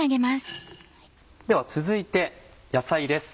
では続いて野菜です。